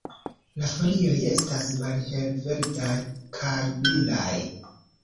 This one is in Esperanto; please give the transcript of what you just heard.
La folioj estas malhelverdaj kaj brilaj.